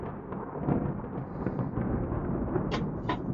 成化十四年中式戊戌科三甲进士。